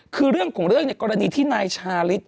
คือเรื่องของเรื่องกรณีที่นายชาลิศ